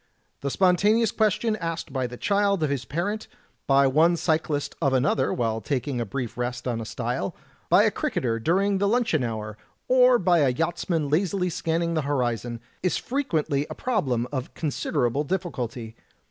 The spontaneous question asked by the child of his parent, by one cyclist of another while taking a brief rest on a stile, by a cricketer during the luncheon hour, or by a yachtsman lazily scanning the horizon, is frequently a prob 4 THE TECHNIQUE OF THE MYSTERY STORY lem of considerable difficulty.